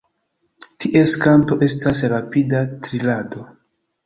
Ties kanto estas rapida trilado.